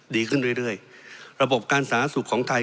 ดีขึ้นเรื่อยระบบการสาธารณสุขของไทย